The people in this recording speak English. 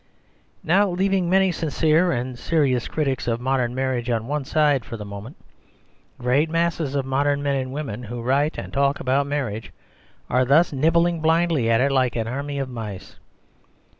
Now leav ing many sincere and serious critics of mod 14 The Superstition of Di\ era marriage on one side for the moment, great masses of modern men and women, who write and talk about marriage, are thus nibbling blindly at it like an army of mice.